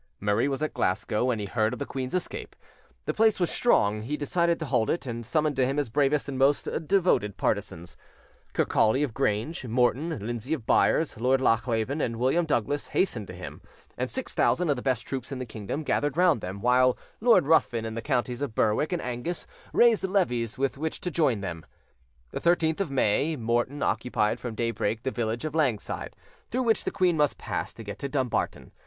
Murray was at Glasgow when he heard of the queen's escape: the place was strong; he decided to hold it, and summoned to him his bravest and most devoted partisans. Kirkcaldy of Grange, Morton, Lindsay of Byres, Lord Lochleven, and William Douglas hastened to him, and six thousand of the best troops in the kingdom gathered round them, while Lord Ruthven in the counties of Berwick and Angus raised levies with which to join them. The 13th May, Morton occupied from daybreak the village of Langside, through which the queen must pass to get to Dumbarton.